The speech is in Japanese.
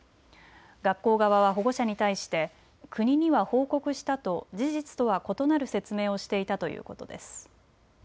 学校側は保護者に対して、国には報告したと、事実とは異なる説明をしていたということです。